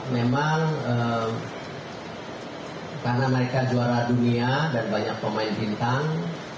memang karena mereka juara dunia dan banyak pemain bintang